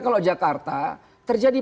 kalau jakarta terjadi